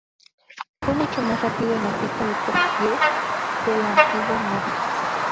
Fue mucho más rápido en la pista de Top Gear que el antiguo Noble.